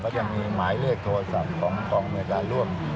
ก็ยังมีหมายเลขโทรศัพท์ของกองอำนวยการร่วม